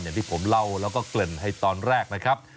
อย่างที่ผมเล่าแล้วก็เกริ่นให้ตอนแรกนะครับ